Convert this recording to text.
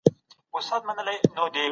موږ ته په کار ده چي نړۍ ته امن ورکړو.